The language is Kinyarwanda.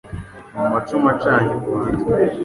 Mu macumu acanye kumitwe